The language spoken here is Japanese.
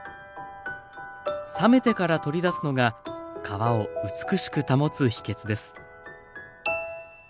冷めてから取り出すのが皮を美しく保つ秘訣です。